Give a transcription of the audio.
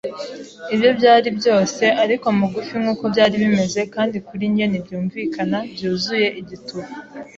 Ibyo byari byose; ariko mugufi nkuko byari bimeze, kandi kuri njye ntibyumvikana, byuzuye igituba